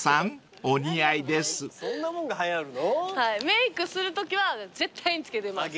メークするときは絶対につけてます。